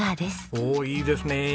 おおいいですね。